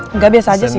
engga biasa aja sih